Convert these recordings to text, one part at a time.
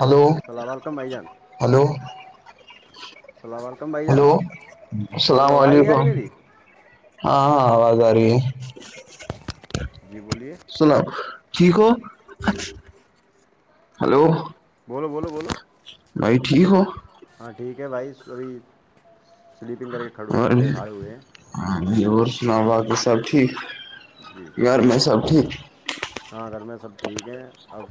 hello السلام علیکم بھائی جان ہلو السلام علیکم بھائی جان ہلو السلام ہلو آواز نہیں آ رہی علیکم میری ہاں ہاں آواز آ رہی جی بولیے سناؤ ٹھیک ہو ہلو بولو بولو بولو بھائی ٹھیک ہو ہاں ٹھیک ہے بھائی ابھی سلیپنگ کر کے کھڑے پھر آئے ہوئے ہیں ہاں ور سنا باقی سب ٹھیک جی گھر میں سب ٹھیک ہاں گگر میں سب ٹھیک ہیں اب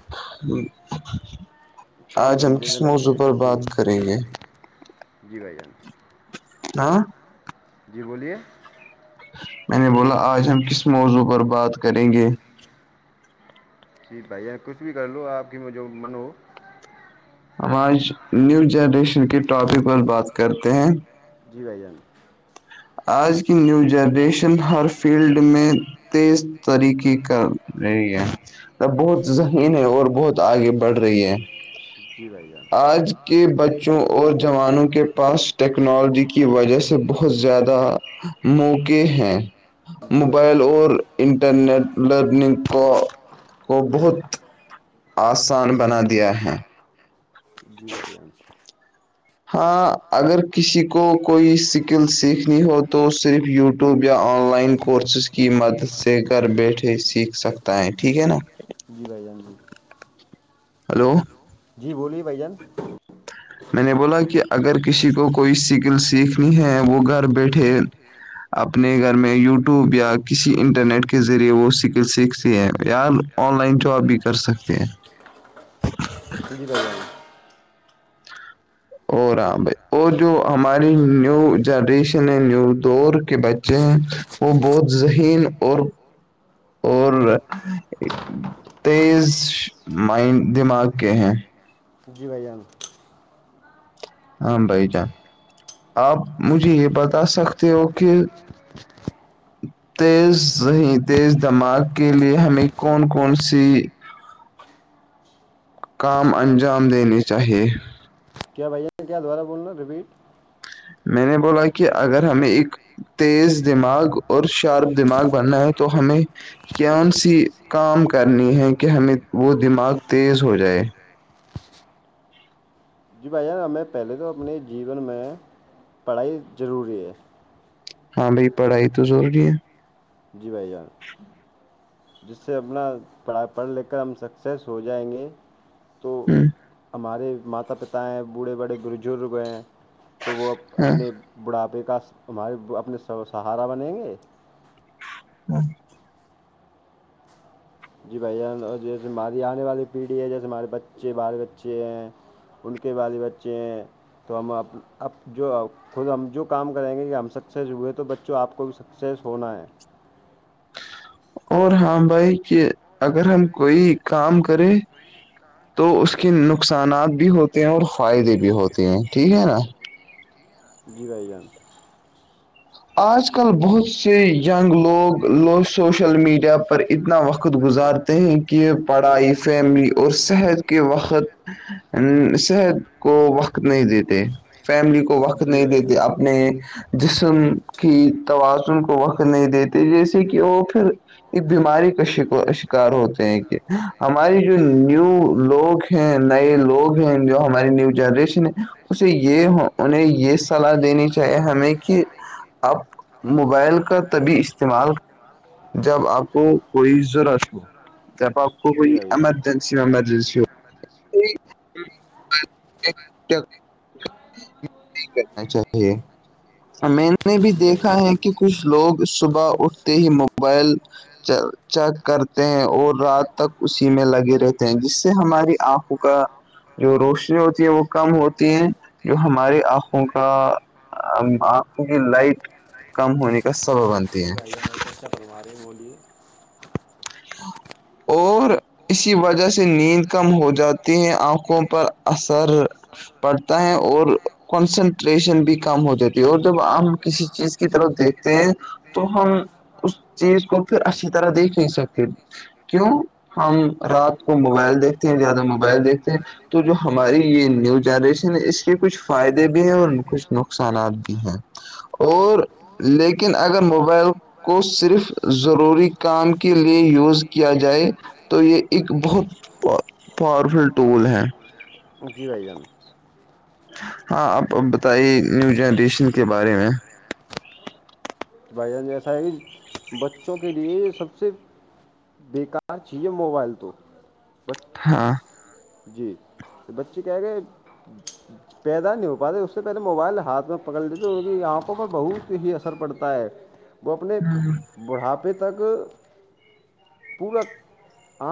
کام آج ہم دھندے کس میں لگے موضوع ہیں پر جی بات کریں گے جی بھائی جان ہاں جی بولیے میں نے بولا آج ہم کس موضوع پر بات کریں گے جی بھائییا کچھ بھی کر لو آپ کی م جو من ہو ہم آج نیو جنریشن کے ٹاپک پر بات کرتے ہیں جی بھ جان آج کی نیو جنریشن ہر فیلڈ میں تیز طریقے کر رہی ہے تب بہت جی زذہین ہے اور بہت آگے بڑھ رہی ہے جی بھائی جان آج کے بچوں اور جوانوں کے پاس ٹیکنالوجی کی وجہ سے بہت زیادہ موقع ہیں جی بھائی جان موبائل اور انٹرنیٹ لرننگ کو کو بہت آسان بنا دیا ہے جی بائی جان سے ہاں اگر کسی کو کوئی سکل سیکھنی ہو تو صرف یوٹیوب یا آن لائن کو کورسز کی مدد سے گھر بیٹھے سیکھ سکتا ہے ٹھیک ہے نا جی بھائی جان جی ہلو جی بولیے بھ جان میں نے بولا کہ اگر کسی کو کوئی سکل سیکھنی ہے وہ گھر بیٹھے اپنے گھر میں یوٹیوب یا کسی انٹرنیٹ کے ذریعے وہ س سیکھتے ہیں یار آن لائن جواب بھی کر سکتے ہیں ج جی بائےا اور ہاں بھائی اور جو ہماری نیو جنریشن ہے نیو دور کے بچے ہیں وہ بہت ذہین اور اور تیز مائنڈ دماغ کے ہیں جی بیاان ہاں بھائی جان آپ مجھے یہ بتا سکتے ہو کہ ہ تیز تیز دماغ کے لیے ہمیں کون کون سی کام انجام دنےی چاہیے کیا بھیا کیا دوبارہ بول رہ ہیں رپیٹ میں نے بولا کہ اگر ہمیں ایک تیز دماغ اور شارپ دماغ بننا ہے تو ہمیں کون سی کام کرنی ہے کہ ہمیں وہ دماغ تیز ہو جائے جی بھائی جان ہمیں پہلے تو اپنے جیون میں پڑھائی ضروری ہے ہاں بھائی پڑھائی تو ضروری ہے جی ب زار جس سے اپنا پڑھا پڑھ لکھ کر ہم سکسیس ہو جائیں گے تو ہوں ہمارے ماتا پتا ہیں بوڑھے بڑے بزرگ ہیں تو وہ ہاں اپنے بڑھاپے کا ہمارے اپنے سہارا بنیں گے ہاں جی بھیاان اور جیسے ہماری آنے والی پیڑھی ہے جیسے ہمارے بچے بال بچے ہیں ان کے والے بچے ہیں تو ہم اپ اب جو خود ہم جو کام کریں گے کہ ہم سکسیز ہوئے تو بچوں آپ کو بھی سکسیز ہونا ہے اور ہاں بھائی کہ اگر ہم کوئی کام کرے تو اس کے نقصانات بھی ہوتے ہیں اور فائدے بھی ہوتے ہیں ٹھیک ہے نا جییرائی گان آج کل بہت سے ینگ لوگ لو سوشل میڈیا پر اتنا وقت گزارتے ہیں کہ یہ پڑھائی فیملی اور صحت کے وقت صحت کو وقت نہیں دیتے فیملی کو کو وقت نہیں دیتے اپنے جسم کی توازن کو وقت نہیں دیتے جیسے کہ وہ پھر اس بیماری کا ش شکار ہوتے ہیں کہ ہماری جو نیو لوگ ہیں نئے لوگ ہیں جو ہماری نیو جنریشن ہے اسے یہ انہیں یہ سلاح دینی چاہیے ہمیں کہ آپ موبائل کا تبھی استعمال جب آپ کو کوئیز رش ہو جپ آ جی کوئی بھائی جان ایمارجینسی میں ایمرجنسی ہو [unintelligible] کرنا چاہیے مین نے بھی جی بھائی دیکھا جان ہے جی کہ کچھ لوگ صبح اٹھتے ہی موبائل چیک کرتے ہیں اور رات تک اسی میں لگے رہتے ہیں جس سے ہماری آنکھوں کا جو روشنی ہوتی ہے وہ کم ہوتی ہے جو ہماری آنکھوں کا آنکھوں کی لائٹ کم ہونے کا سبب بنتی ہے بہت اچھا بنوا رہے ہیں وہولیے [inaudible] اور اسی وجہ سے نیند کم ہو جاتی ہے آنکھوں پر اثر پڑھتا ہے اور کنسنٹریشن بھی کم ہو جاتی ہے اور جب ہم کسی چیز کی طرف دیکھتے ہیں تو ہم اس چیز کو پھر اچھی طرح دیکھ نہیں سکتے کیوں ہم رات کو موبائل دیکھتے ہیں زیادہ موبائل دیکھتے ہیں تو جو ہماری یہ نیو جنریشن ہے اس کے کچھ فائدے بھی ہیں اور کچھ نقصانات بھی ہیں اور لیکن اگر موبائل کو صرف ضروری کام کی لیے یوز کیا جائے تو یہ ایک بہت پاورفل ٹول ہے جی بھائی جان ہاں آپ اب بتائیے نیو جنریشن کے بارے میں بھائی جان جیسا ہے کہ بچوں کے لیے سب سے بیکار چاہیے موبائل تو بس ہاں جی تو بچے کہ گئے پیدا نہیں ہو پاتے اس سے پہلے موبائل ہاتھ میں پکڑ لیتے ان کی آنکھوں پر بہت ہی اثر پڑتا ہے وہ اپنے بوڑھاپے تک پورا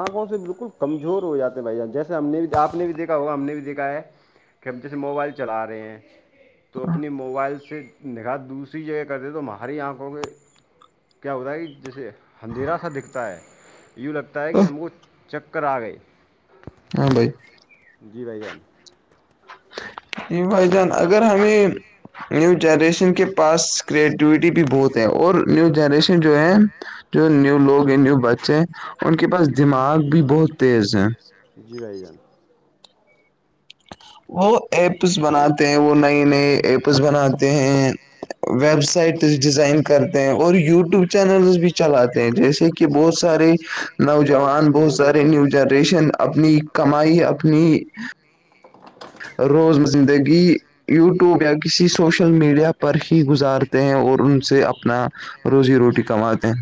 آنکھوں سے بالکل کمزور ہو جاتے بھ جیسے ہم نے بھی آپ نے بھی دیکھا ہوگا ہم نے بھی دیکھا ہے کہب جیسے موبائل چلا رہے ہیں تو اپنی موبائل سے نگاح دوسری جگہ کرتے تو ماں ہری آنکھو گے کیا ہوتا ہے کہ جیسے اندھیرا سا دکھتا ہے یوں لگتا ہے کہ ہم کو چکر آ گئے ہری آنکھو گے کیا ہوتا ہے کہ جیسے اندھیرا سا دکھتا ہے جی بھائی جان یہ بھائی جان اگر ہمیں نیو جنریشن کے پاس کریٹیوٹی بھی بہت ہے اور نیو جنریشن جو ہے جو نیو لوگ ہیں نیو بچے ان کے پاس دماغ بھی بہت تیز ہے جی بھائی جان وہ ایپس بناتے ہیں وہ نئی نئے ایپس بناتے ہیں ویب سائٹ ڈیزائن کرتے ہیں اور یوٹیوب چینلس بھی چلاتے ہیں جیسے کہ کہ بہت سارے شارٹس نوجوان بہت ویڈیو سارے دیکھتے ہیں نیو جنریشن اپنی کمائی اپنی اپنی روز زندگی یوٹیوب یا کسی سوشل میڈیا پر ہی گزارتے ہیں اور ان سے اپنا روزی روٹی کماتے ہیں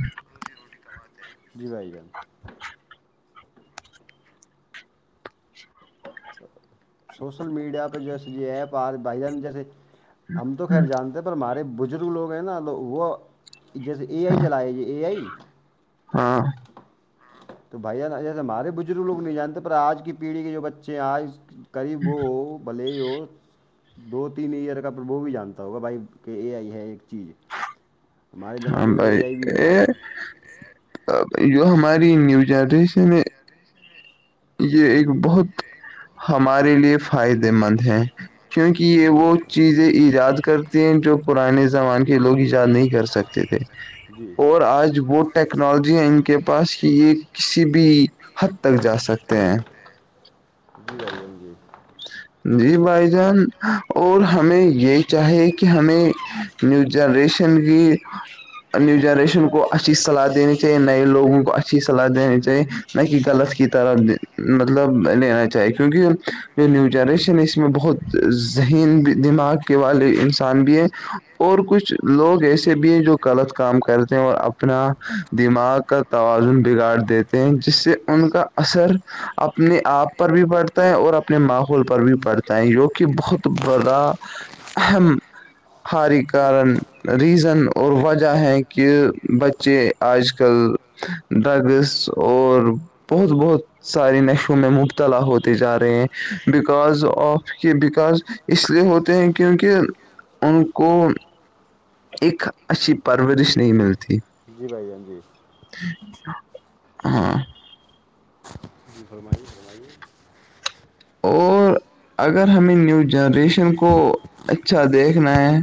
جی بھائی جان سوسل میڈیا پہ جویسے ایپ آ بائی جان جیسے ہم تو خیر جانتے ہمارے بزرگ لوگ ہیں نا تو وہ جیسے اے آئی ہاں چلائے ج اے آئی ہاں تو بھائی ایسے ہمارے بزرگ لوگ نہیں جانتے پر آج کی پیڑھی کے جو بچے ہیں آج قریب وہ بھلے ہو دو تین ایئر کا وہ بھی جانتا ہوگا بھائی کہ یہ آئی ہے ایک چیز ہمارے ہاں زمانے میں تو اے آئی بھی نہیں تھا ا جو ہماری نیو جنریشن ہے یہ ایک جی بہت ہمارے لیے فائدے مند ہیں کیونکہ یہ جی وہ بھائی جان چیزیں ایجاد کر جو پرانے زمان کے لوگ ایجاد نہیں کر سکتے تھے جی اور آج وہ ٹیکنالوجی ان کے پاس کی یہ کسی بھی حد تک جا سکتے ہیں جی گ جی جی بھائی جان اور ہمیں یہ چاہیے کہ ہمیں نیو جنریشن کی نیو جنریشن کو اچھی سلاح دینی چاہیے نئے لوگوں کو اچھی صلاح دینی چاہیے نہ کہ غلط کی طرح مطلب لینا چاہیے کیونکہ یہ نیو جنریشن ہے اس میں بہت ذہین بھی دماغ کے والے انسان بھی ہے اور کچھ لوگ ایسے بھی ہیں جو غلط کام کرتے ہیں اور اپنا دماغ کا توازن بگاڑ دیتے ہیں جس سے ان کا اثر اپنے آپ پر بھی پڑتا ہے اور اپنے ماحول پر بھی پڑھتا ہے ی کہ بہت بڑا اہم ہاری کارن ریزن اور وجہ ہے کہ بچے آج کل ڈرگس اور بہت بہت ساریے نشوں میں مبتلا ہوتے جا رہے ہیں بکاز آف کی بکاس اس لیے ہوتے ہیں کیونکہ ان کو ایک اچھی پرورش نہیں ملتی جی بھائی جان جی ہاں ج فمائی فمائی اور اگر ہمیں نیو جنریشن کو اچھا دیکھنا ہے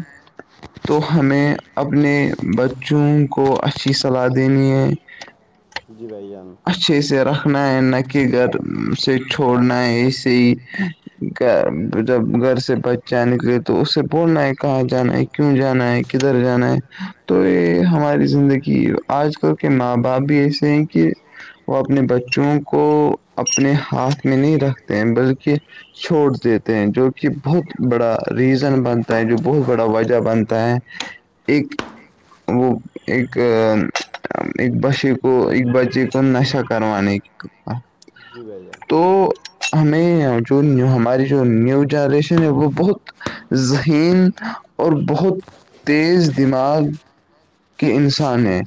تو ہمیں اپنے بچوں کو اچھی صلاح دینی ہے پیائیانیں اچھے سے رکھنا ہے نہ کہ گھر سے چھوڑنا ہے ایسے ہی جب گھر سے بچہ نکلے تو اسے بولنا ہے کہاں جانا ہے کیوں جانا ہے کدھر جانا ہے تو یہ ہماری زندگی آج تو کے ماں باپ بھی ایسے ہیں کہ وہ اپنے بچوں کو اپنے ہاتھ میں نہیں رکھتے ہیں بلکہ چھوڑ دیتے ہیں جو کہ بہت بڑا ریزن بنتا ہے جو بہت بڑا وجہ بنتا ہے ایک وہ ایک ایک بچے کو ایک بچے کو تو نشا کر نہیں جیو تو ہمیں جو ہماری جو نیو جنریشن ہے وہ بہت ذہین اور بہت تیز دماغ کے انسان ہیں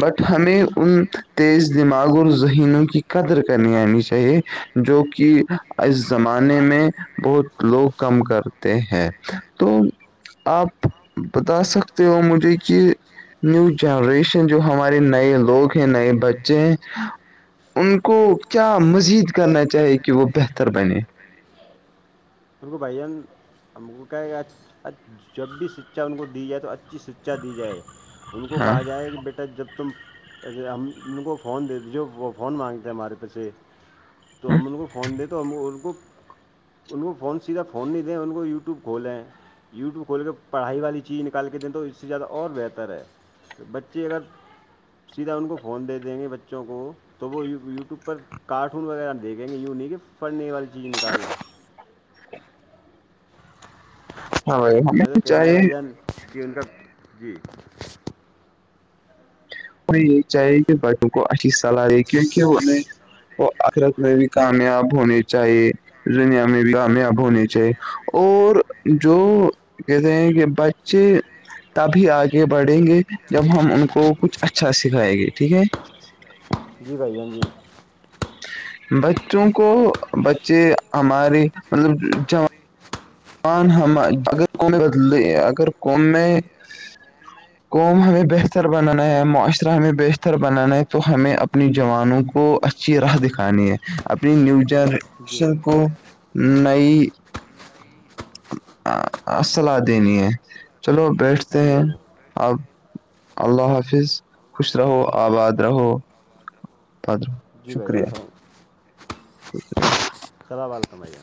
بٹ ہمیں ان تیز دماغ اور ذہینوں کی قدر کرنی آنی چاہیے جو کہ اس زمانے میں بہت لوگ کم کرتے ہیں تو آپ بتا سکتے ہو مجھے کہ نیو جنریشن جو ہمارے نئے لوگ ہیں نئے بچے ہیں ان کو کیا مزید کرنا چاہیے کہ وہ بہتر بنے س کو بھائیان ہم کو کہے گ کہ جب بھی شکچا ان کو دی جائے تو اچھی شکچا دی جائے ان کو ہاں کہا جائے کہ بیٹا جب تم اھے ہم ان کو فون دے دیج جو وہ فون مانگتے ہیں ہمارے پیسے تو ہم ان کو فون دیں تو ہم ان کو ان کو فون سیدھا فون نہیں دیں ان کو یوٹیوب کھولیں یوٹیوب کھول کے پڑھائی والی چیز نکال کے دیں تو اس سے زیادہ اور بہتر ہے تو بچے اگر سیدھا ان کو فون دے دیں گے بچوں کو تو وہ یوٹیوب پر کارٹون وغیرہ دیکھیں گے یوں نہیں کہ پھڑنے والی چیز نکالیں ہاں بھائی ہمیں تو کہنا ہے چاہیے بھائی ہمیں جان کہ ان کا جی ہمیں یہی چاہیے کہ بچوں کو اچھی صلاح دے کیونکہ انہیں وہ اخرت میں بھی کامیاب ہونے چاہیے دنیا میں بھی کامیاب جی ہونے چاہیے اور جو کہتے ہیں کہ بچے تبھی آگے بڑھیں گے جب ہم ان کو کچھ اچھا سکھائےیں گے ٹھیک ہے جی بائی ان جی بچوں کو بچے ہمارے مطلب ان اگر بدلے اگر قوم میں قوم ہمیں بہتر بنانا ہے معاشرہ ہمیں بہتر بنانا ہے تو ہمیں اپنی جوانوں کو اھی راہ دکھانی ہے اپنی نیو جی بھائی جنریشن کو نئی صلاح دینی ہے چلو بیٹھتے جی ہیں بھائی جان آپ اللہ حافظ خوش رہو آباد رہو ر جی بھائی جان شکریہ [unintelligible] ٹھیک خراب آال تھامھیا